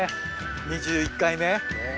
２１回目。